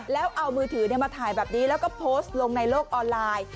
แล้วเอามือถือมาถ่ายแบบนี้แล้วก็โพสต์ลงในโลกออนไลน์